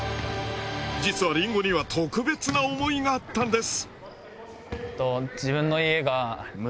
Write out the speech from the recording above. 実はりんごには特別な思いがあったんです。